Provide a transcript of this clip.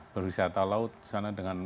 berwisata laut disana dengan